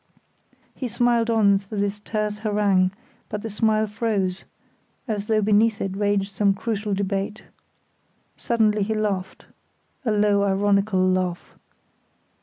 He smiled on through this terse harangue, but the smile froze, as though beneath it raged some crucial debate. Suddenly he laughed (a low, ironical laugh).